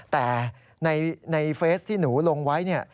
แต่ในเฟสที่หนูลงไว้เนี่ย